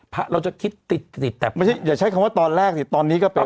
พระเราจะคิดติดติดแต่ไม่ใช่อย่าใช้คำว่าตอนแรกสิตอนนี้ก็เป็น